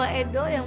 aku sudah pulang